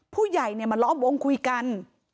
ผู้ใหญ่มาล้อมวงคุยกัน